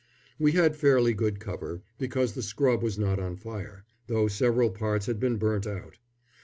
We had fairly good cover, because the scrub was not on fire, though several parts had been burnt out.